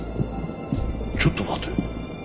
ちょっと待て。